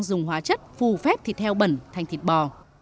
dùng hóa chất phù phép thịt heo bẩn thành thịt bò